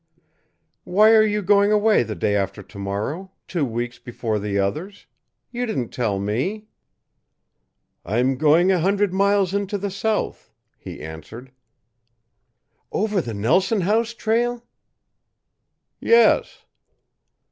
"Why are you going away the day after to morrow two weeks before the others? You didn't tell me." "I'm going a hundred miles into the South," he answered. "Over the Nelson House trail?" "Yes."